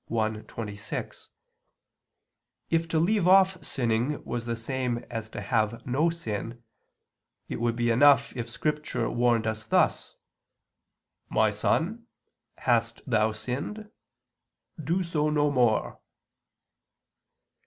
i, 26), if to leave off sinning was the same as to have no sin, it would be enough if Scripture warned us thus: "'My son, hast thou sinned? do so no more?'